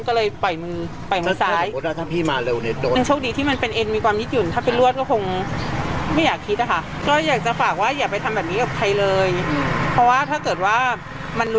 ก็เลยปล่อยมือไปขาวซ้าย